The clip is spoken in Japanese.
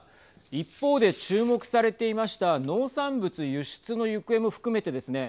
一方で注目されていました農産物輸出の行方も含めてですね